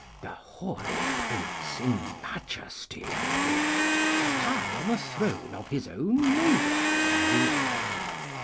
The hoary prince in majesty appear'd, High on a throne of his own labours rear'd.